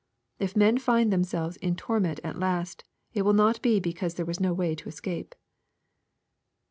If men find themselves '^ in torment" at last, it will not be because there was no way to escape.